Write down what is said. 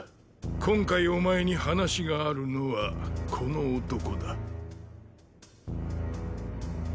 今回お前に話があるのはこの男だ。